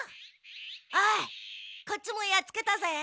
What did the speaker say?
おいこっちもやっつけたぜ。